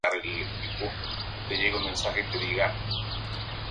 Para poder hacerlo, la red inalámbrica debe estar inhabilitada.